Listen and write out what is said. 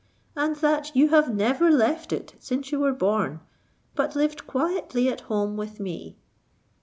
and that you have never left it since you were born, but lived quietly at home with me.